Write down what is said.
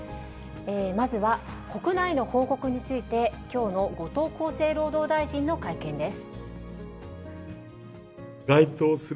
まずは国内の報告について、きょうの後藤厚生労働大臣の会見です。